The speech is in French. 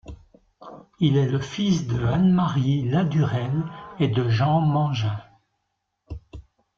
Il est le fils de Anne Marie Ladurelle et de Jean Mangin.